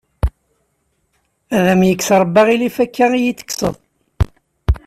Ad am-yekkes Ṛebbi aɣilif akka iyi-t-tekkseḍ.